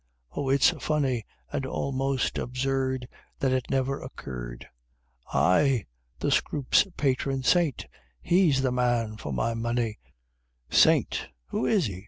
Oh, it's funny And almost absurd, That it never occurred! "Ay! the Scroope's Patron Saint! he's the man for my money! Saint who is it?